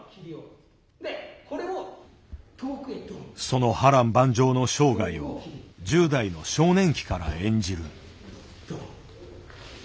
その波乱万丈の生涯を１０代の少年期から演じる。